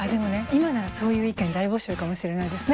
今ならそういう意見大募集かもしれないですね。